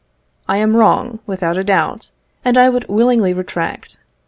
I am wrong, without a doubt, and I would willingly retract.